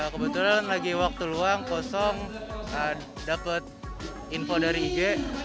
kebetulan lagi waktu luang kosong dapat info dari ig